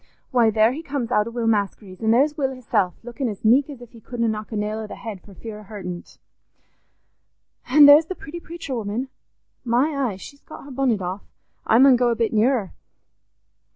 Why, there he comes out o' Will Maskery's; an' there's Will hisself, lookin' as meek as if he couldna knock a nail o' the head for fear o' hurtin't. An' there's the pretty preacher woman! My eye, she's got her bonnet off. I mun go a bit nearer."